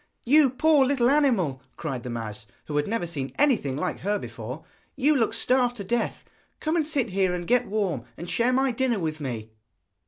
'You poor little animal,' cried the mouse, who had never seen anything like her before, 'you look starved to death! Come and sit here and get warm, and share my dinner with me.'